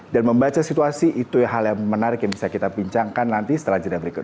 dan membaca situasi itu hal yang menarik yang bisa kita bincangkan nanti setelah cerita berikut